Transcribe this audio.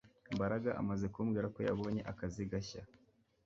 Mbaraga amaze kumbwira ko yabonye akazi gashya